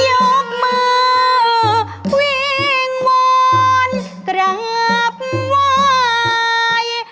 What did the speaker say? ยกมือวิงวนกราบไหว